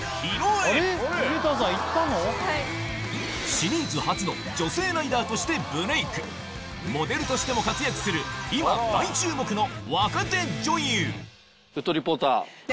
シリーズ初の女性ライダーとしてブレイクモデルとしても活躍する沸騰リポーター。